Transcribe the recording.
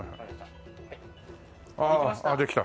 ああできた？